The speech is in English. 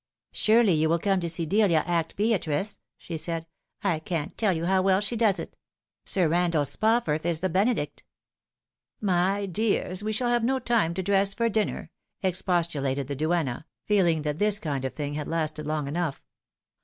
" Surely you will come to see Delia act Beatrice ?" she said. " I can't tell you how well she does it. Sir Randall Spofforth is the Benedict." " My dears, we shall have no time to dress for dinner !" expostulated the duenna, feeling that this kind of thing had lasted long enough.